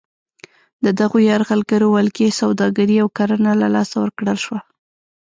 د دغو یرغلګرو ولکې سوداګري او کرنه له لاسه ورکړل شوه.